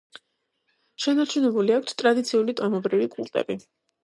შენარჩუნებული აქვთ ტრადიციული ტომობრივი კულტები.